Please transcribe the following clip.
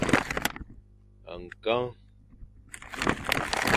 Nkeng!